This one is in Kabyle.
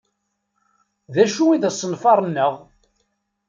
D acu i d asenfaṛ-nneɣ?